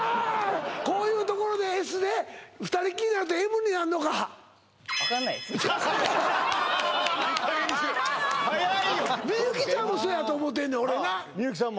こういうところでＳで二人っきりになるとＭになんのかかわいいかわいいいい加減にしろよ早いよ幸ちゃんもそうやと思うてんねん俺な幸ちゃんも？